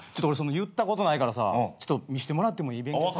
俺言ったことないからさ見してもらってもいい？